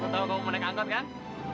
tau tau kamu mau naik angkot kan